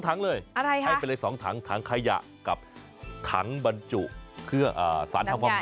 ๒ถังเลยอะไรคะให้เป็นเลย๒ถังถังขยะกับถังบรรจุเพื่อสารทำความเย็น